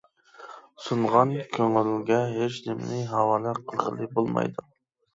سۇنغان كۆڭۈلگە ھېچنېمىنى ھاۋالە قىلغىلى بولمايدۇ.